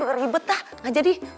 ya kat lo ribet ternyata artist endorse